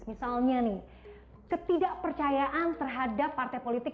misalnya nih ketidakpercayaan terhadap partai politik